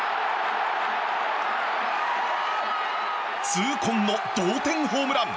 痛恨の同点ホームラン！